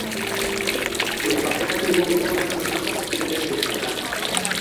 La pareja tuvo cuatro hijos y tres hijas.